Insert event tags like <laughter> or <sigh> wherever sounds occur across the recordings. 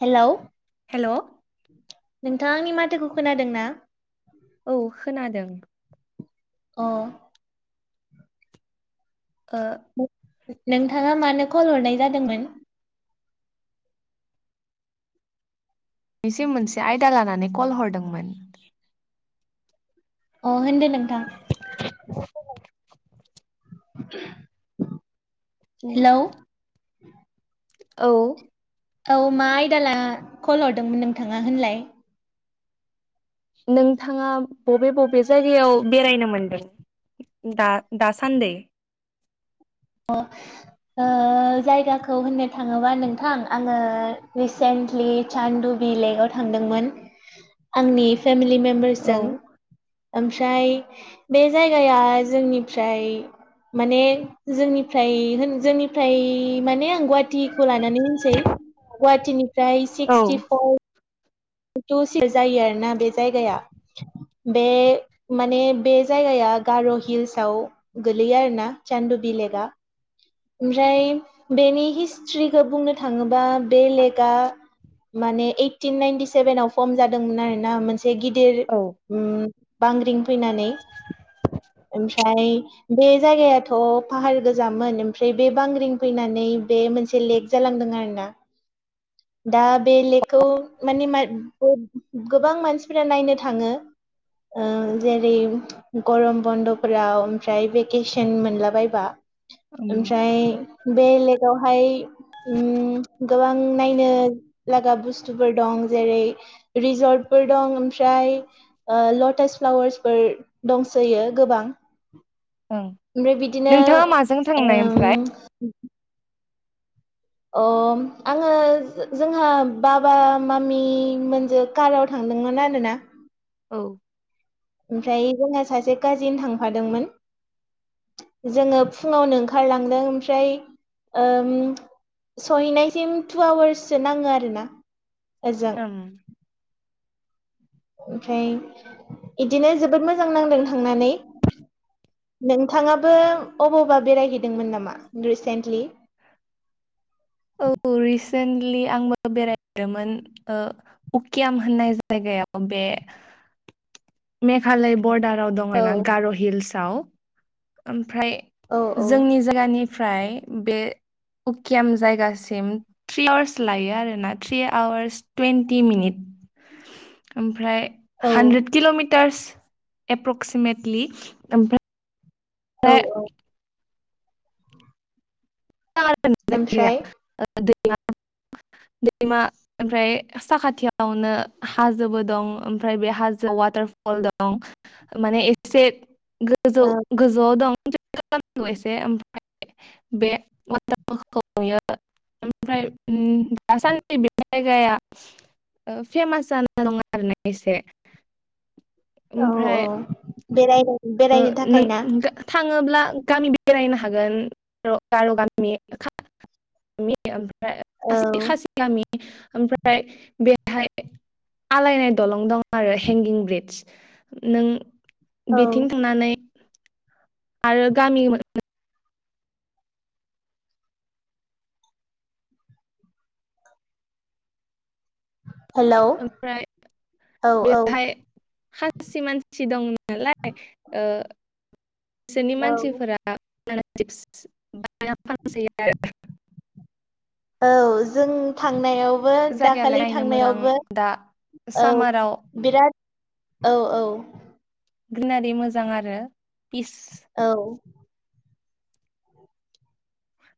हेल' hello नोंथां आंनि माथोखौ खोनादों ना? औ खोनादों अ ओ नोंथाङा मानो कल हरनाय जादोंमोन बिसे मोनसे आयदा लानानै कल हरदोंमोन अ होनदो नोंथां <inaudible> <inaudible> उम हेलौ औ औ मा आयदाला कल हरदोंमोन नोंथाङा होनलाय नोंथाङा बबे बबे जायगायाव बेरायनो मोनदों दा-दासान्दै अ ओ जायगाखौ होननो थाङोबा नोंथां आङो रिसेन्ट लि सानदुबि लेक आव थांदोंमोन आंनि फेमेलि मेम औ बारसजों ओम फ्राय बे जायगाया जोंनिफ्राय माने जोंनिफ्राय होन जोंनिफ्राय माने आं गुवा थिखौ लानानै होनसै गुवाहाटिनिफ्राय औ सिक्सटिफर थुसे जायो आरोना बे जायगाया बे माने बे जायगाया ओ गार' हिल्साव गोलैयो आरोना चान्दुबि लेकआ ओमफ्राय बेनि हिस्ट्रिखौ बुंनो थाङोबा बे लेकआ माने ओइटिन नाइनटि सेभेनाव फर्म जादोंमोन आरो ना मोनसे गिदिर ओं उम बांग्रिं फैनानै ओमफ्राय बे जायगायाथ' फाहार गोजामोन ओमफ्राय बे बांग्रिं फैनानै बे मोनसे लेक जालांदों आरोना दा बे लेकखौ माने मान गोबां मानसिफोरा नायनो थाङो ओ जेरै गरम बन्द'फोराव ओमफ्राय भेकेसन मोनलाबायबा ओमफ्राय बेलेगावहाय उम गोबां नायनो लागा बुस्थुफोर दं जेरै रिजर्टफोर दं ओमफ्राय ओ लटास फ्लावार्सफोर दंसोयो गोबां ओं ओमफ्राय बिदिनो नोंथाङा माजों थांनाय ओमफ्राय ओम अ आङो जोंहा बाबा मामि मोनसजों काराव थां दोंमोन आरोना औ ओमफ्राय जोंहा सासे काजिन थांफादोंमोन जोङो फुङावनो ओंखारलांदों ओमफ्राय ओम सहैनायसिम टु आवार्ससो नाङो आरोना ओजों ओं ओमफ्राय बइदिनो जोबोद मोजां नांदों थांनानै नोंथाङाबो अबावबा बेरायहैदोंमोन नामा रिसेन्टलि औ रिसेन्टलि आंबो बेरायहदोंमोन ओ उकियाम होननाय जायगायाव बे ए मेघालय बरडाराव दं औ आरोना गार' हिल्सआव ओमफ्राय औ औ जोंनि जायगानि फ्राय बे उकियाम जायगासि म थ्रि आवारस लायो आरोना थ्रि आवार्स टुन्टि मिनिट ओमफ्राय औ हानड्रेद किल'मिटार्स एप्रक्सिमेटलि ओमफा औ फाय औ जायगाया ओमफ्राय <unintelligible> दैमा ओमफ्राय साखाथियावनो हाजोबो दं ओमफ्राय बे हाजोआव वाटार हल दं माने एसे गोजौ औ गोजौआव दं <unintelligible> नांगौ एसे ओमफ्राय बे वाटारफोरखौ नुयो ओमफ्राय ओम दासान्दि बे जायगाया ओ फेमास जानाय नङा आरो ना एसे औ औ ओमफ्राय बेरायनो ओ बेरायनो थाखाय नों ना थाङोब्ला गामि बेरायनो हागोन न' गार' गामि <unintelligible> औ खासि खासि गामि ओमफ्राय बे बेहाय आलायनाय दलं दं आरो हेंगिं ब्रिज नों औ नानै आरो गामि हेलौ ओमफ्राय औ औ बेवहाय खासि मानसि दं नालाय ओ बिसोरनि औ मानसिफोरा <unintelligible> औ जों थांनायाव बो जायगायालाय दाखालि नायनो मोजां थांनायावबो दा औ सामाराव बिराद औ औ ग्रिनारि मोजां आरो पिस औ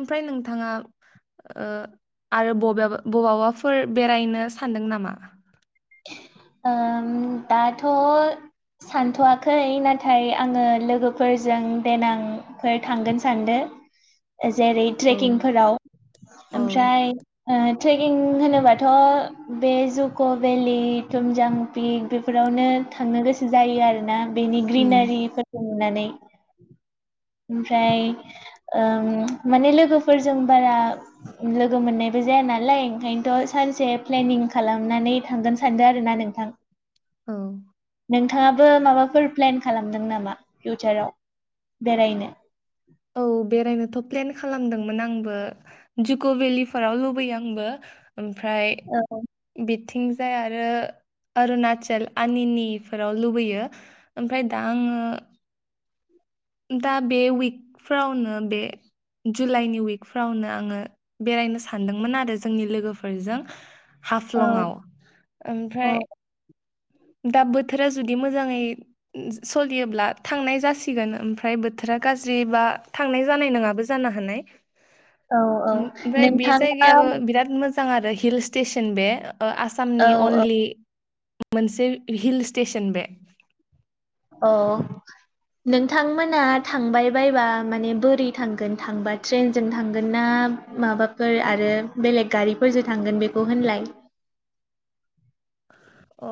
ओमफ्राय नोंथाङा आरो ओ आरो बबेयावबा बबावबाफोर बेरायनो सान सानदों नामा ओम दाथ' सानथ'वाखै नाथाय आङो लोगोफोरजों देनांफोर थांगोन सानदों <inaudible> जेरै औ ट्रेकिंफोराव औ ओमफ्राय ओ ट्रेकिं होनोबाथ' बे जिउखौ देलि थुमजां पिक बेफोरावनो थांनो गोसो जायो आरोना बेनि उम ग्रिनारिफोरखौ नुनानै ओमफ्राय माने लोगोफोरजों बारा लोगो मोननाय जाया नालाय ओंखायनोथ' सानसे प्लेनिं खालामनानै थांगोन सानदों आरोना नोंथां औ नोंथाङाबो माबाफोर प्लेन खालामदों नामा फिउचाराव बेरायनो? औ बेरायनोथ' प्लेन खालामदोंमोन आंबो जुक' भेलिफोराव लुबैयो आंबो ओमफ्राय औ बिथिंजाय आरो अरुणाचल आनिनिफोराव लुबैयो ओमफ्राय दा आङो दा बे उइकफ्रावनो बे जुलाइनि उइकफ्रावनो आङो बेरायनो सानदोंमोन आरो जोंनि लोगोफोरजों औ हाफलंआव औ ओमफ्राय दा बोथोरा जुदि मोजाङै सलियोब्ला थांनाय जासिगोन ओमफ्राय बोथोरा गाज्रि बा थांनाय जानाय नङाबो जानो हानाय औ औ ओमफ्राय बे नोंथाङा जायगायाबो बिराद मोज मोजां आरो हिल स्टेसन बे ओ औ आसामनि औ अनलि मोनसे हिल स्टेसन बे अ नोंथांमोना थांबाय बायबा माने बोरै थांगोन थांबा ट्रेनजों थांगोन ना? ना माबाफोर आरो बेलेग गारिफोरजों थांगोन बेखौ होनलाय? <inaudible> अ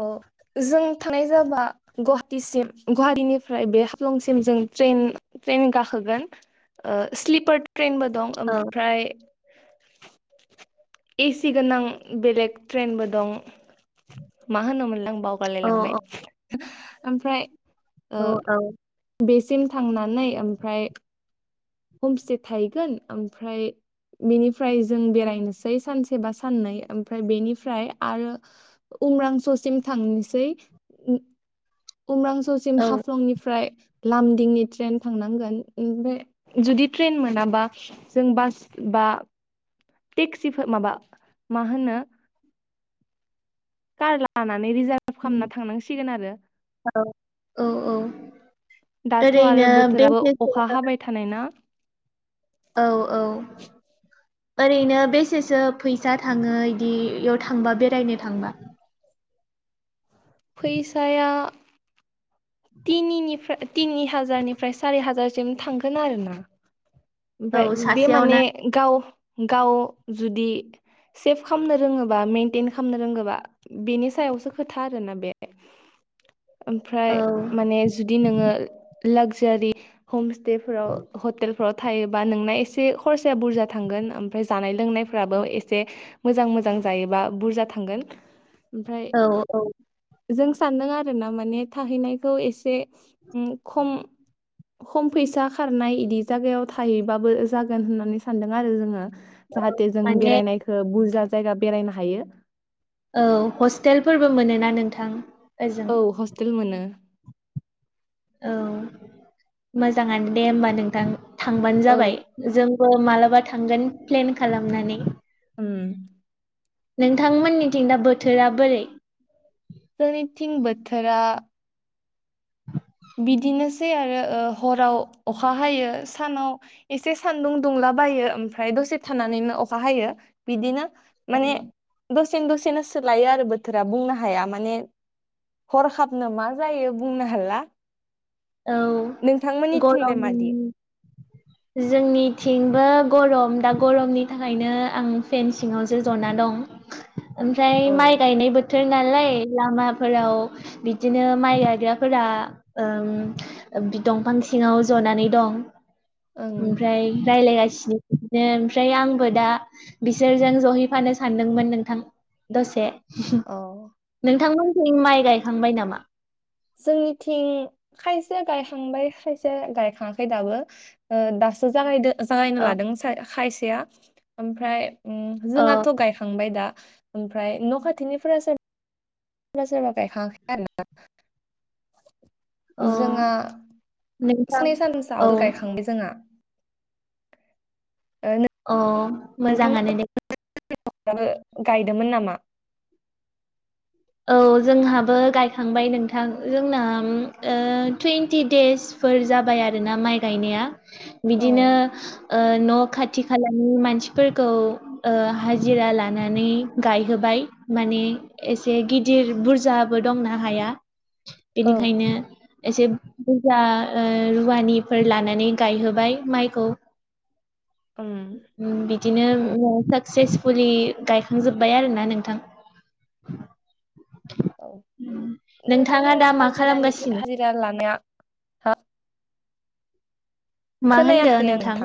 जों थानाय जाबा गुवाहाटिसिम गुवाहाटीनिफ्राय बे हाफलंसिम जों ट्रेन ट्रेन गाखोगोन ओ स्लिपार ट्रेनबो दं औ ओमफ्राय एसि गोनां बेलेग ट्रेनबो दं। मा होनोमोनलाय आं बावगारलाय औ लांबाय ओमफ्राय औ ओ बेसिम थांनानै ओमफ्राय हमसेट थाहैगोन ओमफ्राय बेनिफ्राय जों बेरायनोसै सानसे बा साननै ओमफ्राय बेनिफ्राय आरो उम्रांस'सिम थांनोसै। उम्रांस'सिम औ हाफ्लंनिफ्राय लामदिंनि ट्रेन थांनांगोन ओमफ्राय जुदि ट्रेन मोनाबा जों बास बा टेक्सिफो माबा मा होनो कार लानानै रिजार्भ खामना थांनांसिगोन आरो। औ औ दाथ' आरो ओरैनो बोथोराबो बेसेसो अखा हाबाय थानाय ना। औ औ। <inaudible> ओरैनो बेसेसो फैसा थाङो इदियाव थांबा बेरायनो थांबा? फैसाया तिनिनिफ्रा तिनि हाजारनिफ्राय सारि हाजारसिम थांगोन आरोना। औ ओमफ्राय बे माने सासेयावना गाव गाव जुदि सेफ खामनो रोङोबा मेइेनटेन खामनो रोंगोबा बेनि सायावसो खोथा आरोना बे। ओमफ्राय औ माने जुदि नोङो लाक्जारि हम बेफोराव हटेलफोर थायोबा नोंना एसे खरसाया बुरजा थांगोन ओमफ्राय जानाय लोंनायफ्राबो एसे मोजां मोजां जायोबा बुरजा थांगोन। ओमफ्राय औ औ। जों सानदों आरो ना माने थाहैनायखौ एसे उम खम खम फैसा खारनाय इदि जागायाव थायोबाबो जागोन होननानै सानदों आरो जोङो जाहाथे जों माने बेरायनायखो बुरजा जायगा बेरायनो हायो। औ हस्टेलफोरबो मोनोना नोंथां? ओजों औ हस्टेल मोनो। औ मोजाङानो दे होमबा नोंथां थांबानो औ जाबाय जों बो मालाबा थांगोन प्लेन खालामनानै। उम। नोंथांमोननिथिं दा बोथोरा बोरै? जोंनिथिं बोथोरा बिदिनोसै आरो ओ हराव अखा हायो सानाव एसे सान्दुं दुंला बायो ओमफ्राय दसे थानानैनो अखा हायो बिदिनो माने दसेनो दसेनो सोलायो आरो बोथोरा बुंनो हाया माने हरखाबनो मा जायो बुंनो हाला। औ नोंथांमोननि थिंलाय गरम मादि? जोंनिथिंबो गरम दा गरमनि थाखायनो आं फेन सिङावसो जना दं। <inaudible> ओमफ्राय माइ औ गायनाय बो बोथोर नालाय लामाफोराव बिदिनो माइ गायग्राफोरा ओ बि दंफां सिंङाव जनानै दं ओं ओमफ्राय राय्लायगासिनो। सिनो बिदिनो ओमफ्राय आंबो दा बिसोरजों जहैफानो सानदोंमोन नोंथां। दसे अ नोंथांमोनथिं माइ गायखांबाय नामा? जोंनिथिं खायसे गायखांबाय खायसे गायखाङाखै दाबो ओ दा दासो जागायदो जागायनो औ लादों खायसेया ओमफ्राय उम औ जोंहाथ' गायखांबाय दा ओमफ्राय न' खाथिनिफोरा सोरबा सोरबा गायखांङाखै आरो ना औ जोंहा नोंथां सानानै सानथामसो औ आवगोल गायखांबाय जोंहा ओ अ मोजाङानो दे <unintelligible> गायदोंमोन नामा औ जोंहाबो गायखांबाय नोंथां जोंना ओ टुवन्टि देसफोर फोर जाबाय आरोना माइ गायनाय औ बिदिनो ओ न खाथि खालानि मानसिफोरखौ ओ हाजिरा लानानै गायहोबाय मान ने ए एसे गिदिर बुरजाबो दंना हाया औ बेनिखायनो एसे बुरजा ओ रुवानिफोर लानानै गायहोबाय माइखौ उम बि दिनो साक्सेसफुलि गायखांजोब्बाय आरो ना नोंथां औ नोंथाङा दा नोंथांमोना मा हाजिरानि खालामगासिनो हाजिरा लानाया हा मा होनदों नोंथां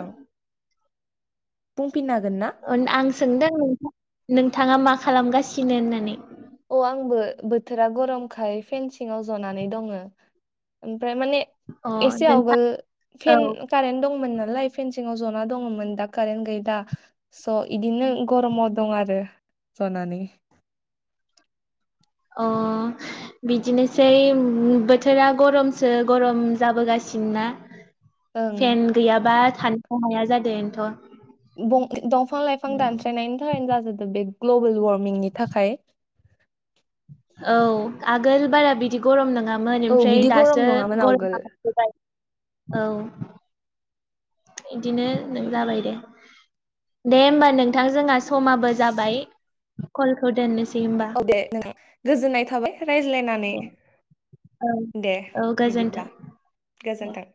बुंफिननो हागोन ना आं सोंदों नोंथाङा मा खालामगासिनो होननानै अ आंबो बोथोरा गरमखाय फेनसिंव जनानै दङ फ्राय माने अ एसे नोंथां आवगोल औ फेन कारेट दंमोन नालाय फेन सिङाव जना दङमोन दा कारेन्ट गैला स' इदिनो गरमाव दं आरो जनानै अ बिदिनोसै बोथोरा गरमसो गरम जाबोगासि थिनना ओं फेन गैयाबा थानोखौ हाया जादोंनोथ' दंफां लाइफां दानस्रायनायनि थाखायनो जाजोबदो बे ग्लबेल वार्मिंनि थाखाय औ आगोल बारा बि दि गरम नङामोन औ ओमफ्राय बिदि गरम दासो नङामोन आवगोल गरमाहाफैबाय औ इदिनो नों जाबाय दे दे होमबा नोंथां जोंहा समाबो जाबाय कलखौ दोननोसै होमबा औ दे नोंथां गोजोननाय थाबाय रायज्लायनानै दे औ दे औ गोजोन्थों बिदिब्ला दे गोजोन्थों